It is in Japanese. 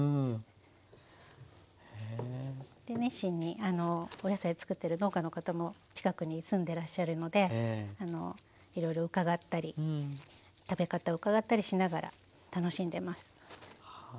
熱心にお野菜作ってる農家の方も近くに住んでらっしゃるのでいろいろ伺ったり食べ方を伺ったりしながら楽しんでます。